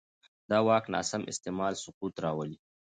د واک ناسم استعمال سقوط راولي